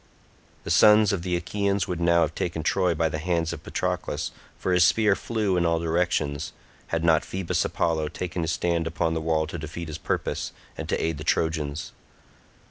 The sons of the Achaeans would now have taken Troy by the hands of Patroclus, for his spear flew in all directions, had not Phoebus Apollo taken his stand upon the wall to defeat his purpose and to aid the Trojans.